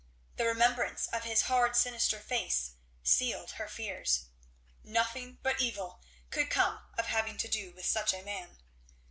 The remembrance of his hard sinister face sealed her fears. Nothing but evil could come of having to do with such a man.